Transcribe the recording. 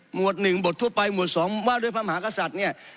หมวดหนึ่งบททั่วไปหมวดสองว่าด้วยพระมหากษัตริย์